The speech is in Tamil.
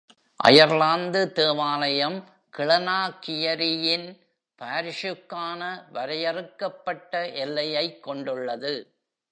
அயர்லாந்து தேவாலயம், க்ளெனாகியரியின் பாரிஷுக்கான வரையறுக்கப்பட்ட எல்லையைக் கொண்டுள்ளது.